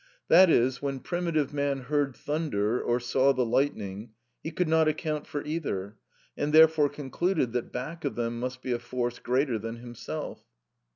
That is, when primitive man heard thunder or saw the lightning, he could not account for either, and therefore concluded that back of them must be a force greater than himself.